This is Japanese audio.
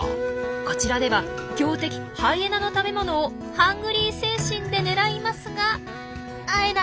こちらでは強敵ハイエナの食べ物をハングリー精神で狙いますがあえなく退散。